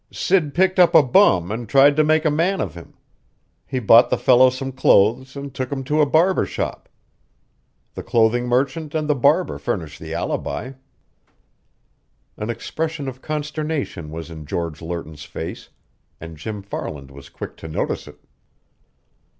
"Sid picked up a bum and tried to make a man of him. He bought the fellow some clothes and took him to a barber shop. The clothing merchant and the barber furnish the alibi." An expression of consternation was in George Lerton's face, and Jim Farland was quick to notice it.